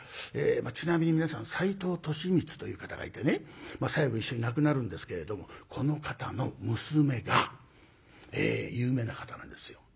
ちなみに皆さん斎藤利三という方がいてね最後一緒に亡くなるんですけれどもこの方の娘が有名な方なんですよ。